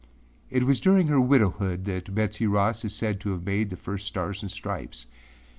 It was during her widowhood that Betsey Ross is said to have made the first Stars and Stripes.